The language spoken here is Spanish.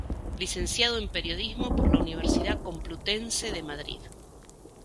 Licenciado en Periodismo por la Universidad Complutense de Madrid.